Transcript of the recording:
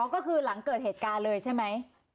ก็คือหลังเกิดเหตุการณ์เลยใช่ไหม